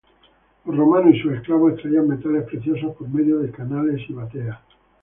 Los romanos y sus esclavos extraían metales preciosos por medio de canales y bateas.